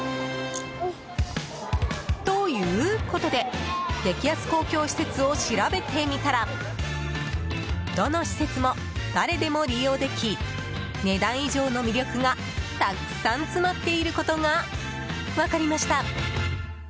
ということで激安公共施設を調べてみたらどの施設も、誰でも利用でき値段以上の魅力がたくさん詰まっていることが分かりました。